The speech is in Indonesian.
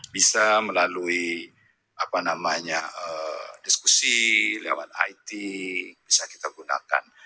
bisa melalui diskusi lewat it bisa kita gunakan